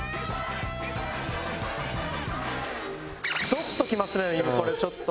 ドッときますねこれちょっと。